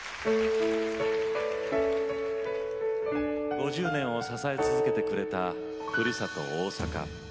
５０年を支え続けてくれたふるさと大阪。